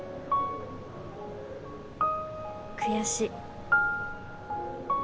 悔しい。